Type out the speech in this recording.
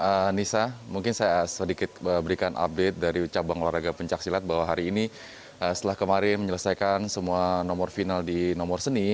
anissa mungkin saya sedikit berikan update dari cabang olahraga pencaksilat bahwa hari ini setelah kemarin menyelesaikan semua nomor final di nomor seni